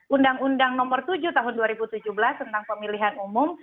undang undang nomor tujuh tahun dua ribu tujuh belas tentang pemilihan umum